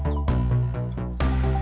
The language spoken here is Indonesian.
lalu kita akan mencoba menggunakan sarung tangan